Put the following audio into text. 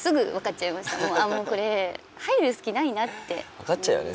分かっちゃうよね